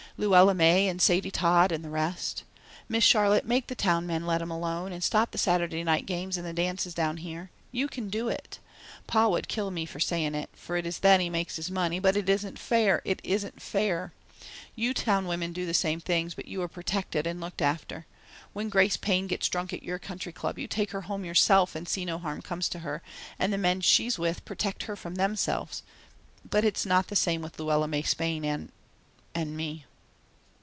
Luella May and Sadie Todd and the rest. Miss Charlotte, make the Town men let 'em alone, and stop the Saturday night games and dances down here. You can do it. Pa would kill me for saying it, for it is then he makes his money, but it isn't fair, it isn't fair. You Town women do the same things, but you are protected and looked after. When Grace Payne gets drunk at your Country Club you take her home yourself and see no harm comes to her, and the men she's with protect her from themselves, but it's not the same with Luella May Spain and and me."